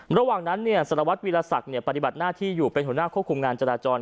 ระหว่างนั้นเนี่ยสรวจวิรสักษณ์เนี่ยปฏิบัติหน้าที่อยู่เป็นหัวหน้าควบคุมงานจราจร